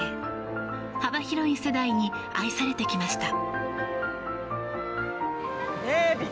幅広い世代に愛されてきました。